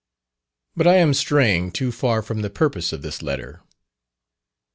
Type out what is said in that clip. But I am straying too far from the purpose of this letter.